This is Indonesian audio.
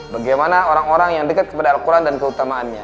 bagaimana orang orang yang dekat kepada alquran dan keutamaannya